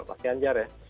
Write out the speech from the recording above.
pak ganjar ya